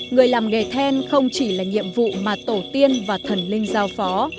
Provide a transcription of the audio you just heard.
người làm nghề then không chỉ là nhiệm vụ mà tổ tiên và thần linh giao phó